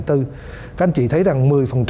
các anh chị thấy rằng một mươi